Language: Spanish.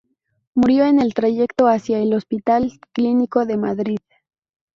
Murió en el trayecto hacia el Hospital Clínico de Madrid.